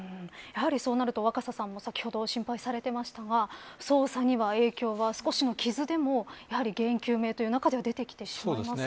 そうなると、若狭さんも先ほど心配されていましたが捜査には影響が少しの傷でも原因究明という意味では出てきてしまいますよね。